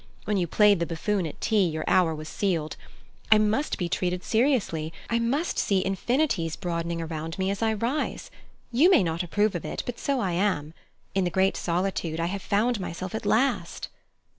When you played the buffoon at tea, your hour was sealed. I must be treated seriously: I must see infinities broadening around me as I rise. You may not approve of it, but so I am. In the great solitude I have found myself at last."